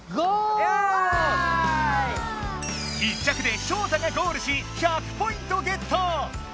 １着でショウタがゴールし１００ポイントゲット！